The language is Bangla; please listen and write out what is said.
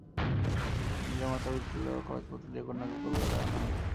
নলিন মাতিয়া উঠিল, খরচপত্র দিয়া কন্যাকে কলিকাতায় আনানো হইল।